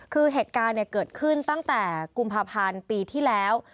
คือเหตุการณ์เกิดขึ้นตั้งแต่กุมภาพันธ์ปีที่แล้ว